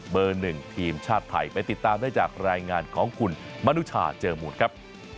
หนึ่งทีมชาติไทยไปติดตามได้จากรายงานของคุณมนุชาเจอมูลครับ